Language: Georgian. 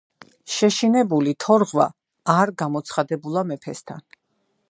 შეშინებული თორღვა არ გამოცხადებულა მეფესთან.